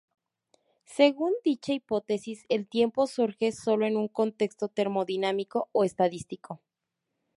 Según dicha hipótesis, el tiempo surge sólo en un contexto termodinámico o estadístico.